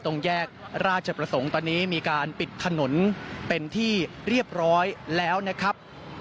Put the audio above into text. ตรงแยกราชประสงค์ตอนนี้มีการปิดถนนเป็นที่เรียบร้อยแล้วนะครับ